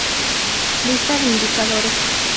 Lista de indicadores